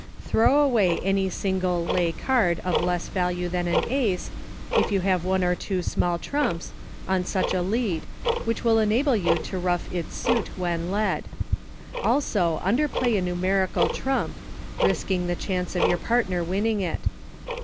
Throw away any single lay card of less value than an Ace, if you have one or two small trumps, on such a lead, which will enable you to ruff its suit when led. Also underplay a numerical trump, risking the chance of your partner winning it.